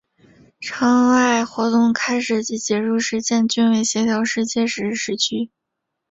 舱外活动开始及结束时间均为协调世界时时区。